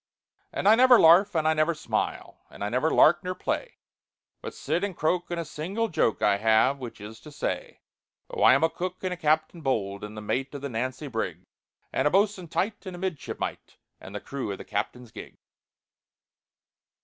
"And I never larf, and I never smile, And I never lark or play, But sit and croak, and a single joke I have, which is to say: "Oh, I am a cook and a captain bold, And the mate of the Nancy brig, And a bos'un tight, and a midshipmite, And the crew of the captain's gig."